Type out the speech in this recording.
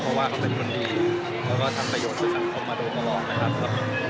เพราะว่าเขาเป็นคนดีแล้วก็ทำประโยชน์เพื่อสังคมมาโดยตลอดนะครับ